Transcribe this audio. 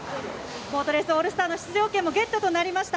ボートレースオールスターの出場権もゲットしました。